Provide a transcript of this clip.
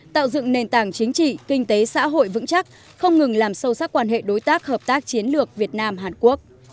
tạo dựng nền tảng chính trị kinh tế xã hội vững chắc không ngừng làm sâu sắc quan hệ đối tác hợp tác chiến lược việt nam hàn quốc